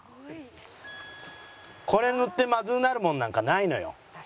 これ塗ってまずうなるもんなんかないのよ。